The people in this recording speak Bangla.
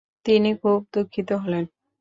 তিনি খুব দুঃখিত হলেন।